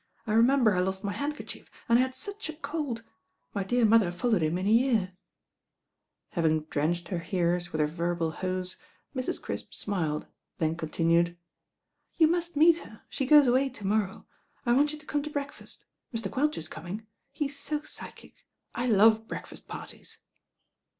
I remem ber I lost my handkerchief, and I had such a cold. My dear mother foUowed him in a year." Having 116 THE RAIN GIRL drenched her hearers with her verbal hose, Mrs. Crisp smiled, then continued, "You must meet her. She goes away to morrow. I want you to come to breakfast. Mr. Quelch is coming. He's so psy chic. I love breakfast parties."